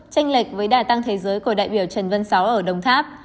tranh lệch với đà tăng thế giới của đại biểu trần văn sáu ở đồng tháp